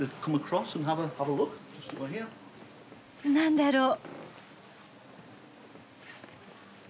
何だろう？